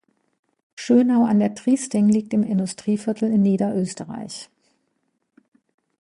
Schönau an der Triesting liegt im Industrieviertel in Niederösterreich.